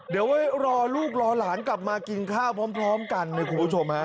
เดี๋ยวไว้รอลูกรอหลานกลับมากินข้าวพร้อมกันนะคุณผู้ชมฮะ